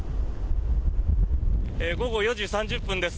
午後４時３０分です。